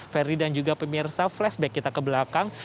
ferdi dan juga pemirsa flashback kita ke belakang